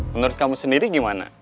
menurut kamu sendiri gimana